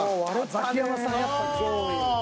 ザキヤマさんやっぱ上位。